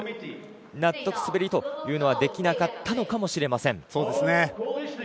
納得する滑りというのはできなかったのかもしれません。